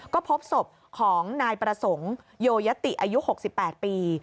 ก็พบศพของนายประสงค์โยยติอายุ๖๘ปี